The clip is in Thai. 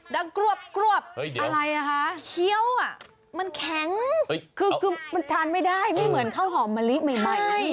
กรวบอะไรอ่ะคะเคี้ยวอ่ะมันแข็งคือมันทานไม่ได้ไม่เหมือนข้าวหอมมะลิใหม่